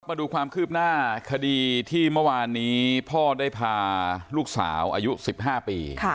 มาดูความคืบหน้าคดีที่เมื่อวานนี้พ่อได้พาลูกสาวอายุ๑๕ปี